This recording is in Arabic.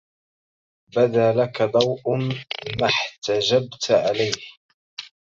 بدا لك ضوء ما احتجبت عليه